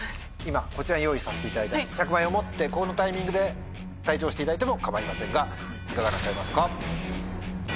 今こちらに用意させていただいた１００万円を持ってこのタイミングで退場していただいても構いませんがいかがなさいますか？